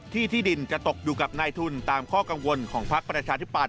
ที่ที่ดินจะตกอยู่กับนายทุนตามข้อกังวลของพักประชาธิปัต